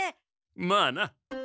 まあな。